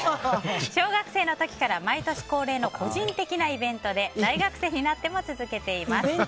小学生の時から毎年恒例の個人的なイベントで大学生になっても続けています。